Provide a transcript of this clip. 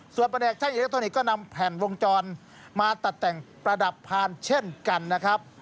ส่วนประเนกช่างอิเล็กโทนิกก็นำแผ่นวงจรมาตัดแต่งประดับพารเช่นกันนะครับ